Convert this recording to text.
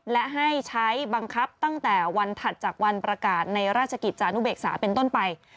และให้ใช้บังคับตั้งแต่วันถัดจากวันประกาศในราชกิจจานุเบกษาเป็นต้นไป